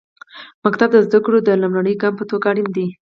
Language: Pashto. ښوونځی د زده کړو د لومړني ګام په توګه اړین دی.